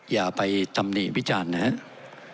อย่าไปตำหนิวิจารณ์นะครับ